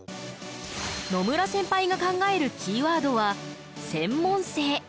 野村センパイが考えるキーワードは「専門性」。